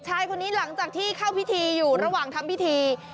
ชายคนนี้หลังจากที่เข้าพิธีอยู่ระหว่างทำพิธี